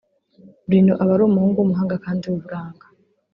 Bruno aba ari umuhungu w’umuhanga kandi w’uburanga